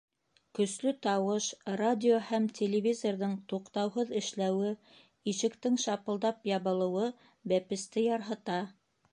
Көслө тауыш, радио һәм телевизорҙың туҡтауһыҙ эшләүе, ишектең шапылдап ябылыуы бәпесте ярһыта.